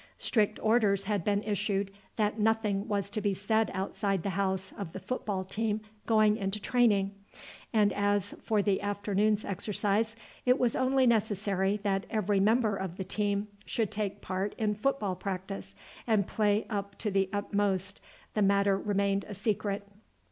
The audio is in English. Strict orders had been issued that nothing was to be said outside the house of the football team going into training; and as, for the afternoon's exercise, it was only necessary that every member of the team should take part in football practice, and play up to the utmost, the matter remained a secret.